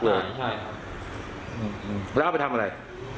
แล้วเอาไปทำอะไร